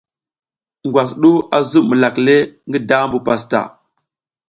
Ngwas du a zuɓ milak le, ngi dambu pastaʼa.